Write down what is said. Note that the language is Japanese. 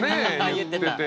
言ってて。